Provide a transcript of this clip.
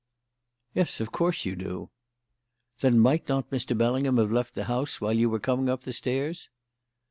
"Yes, of course you do!" "Then might not Mr. Bellingham have left the house while you were coming up the stairs?"